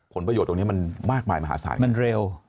ผลประโยชน์ตรงนี้มันมากมายมหาศาล